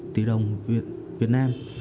sáu tỷ đồng việt nam